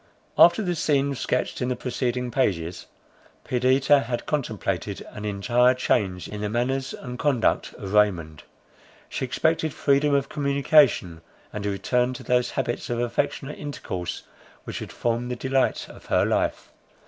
After the scene sketched in the preceding pages, Perdita had contemplated an entire change in the manners and conduct of Raymond. She expected freedom of communication, and a return to those habits of affectionate intercourse which had formed the delight of her life.